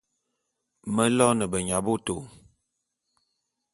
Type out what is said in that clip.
Me loene benyabôtô.